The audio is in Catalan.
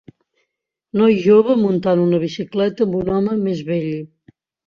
Noi jove muntant una bicicleta amb un home més vell.